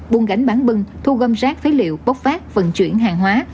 buôn gánh bán bưng thu gom rác phế liệu bốc phát vận chuyển hàng hóa